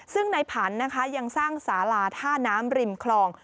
ซึ่งนายผันยังสร้างสาลาท่าน้ำริมคลอง